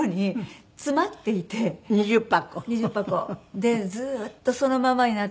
でずっとそのままになって。